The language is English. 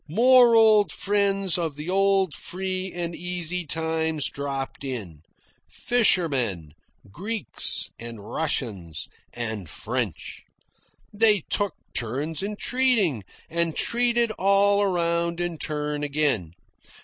More old friends of the old free and easy times dropped in, fishermen, Greeks, and Russians, and French. They took turns in treating, and treated all around in turn again.